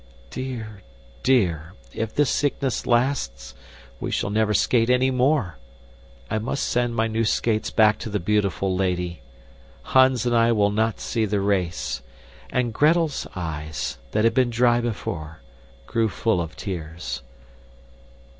Dear, dear! If this sickness lasts, we shall never skate anymore. I must send my new skates back to the beautiful lady. Hans and I will not see the race. And Gretel's eyes, that had been dry before, grew full of tears.